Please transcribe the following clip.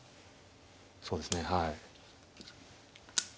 そうですねはい。